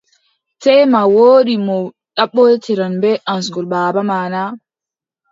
Teema woodi mo laɓɓotiran bee asngol baaba ma na ?